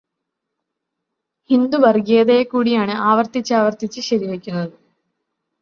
ഹിന്ദുവര്ഗീയതയെ കൂടിയാണ് ആവര്ച്ചാവര്ത്തിച്ച് ശരി വയ്ക്കുന്നത്.